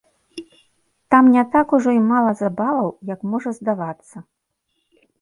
Там не так ужо і мала забаваў, як можа здавацца.